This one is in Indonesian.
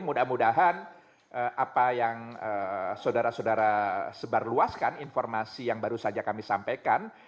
mudah mudahan apa yang saudara saudara sebarluaskan informasi yang baru saja kami sampaikan